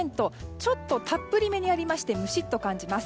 ちょっとたっぷりめにありましてムシッと感じます。